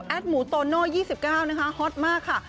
หมูโตโน่๒๙นะคะฮอตมากค่ะ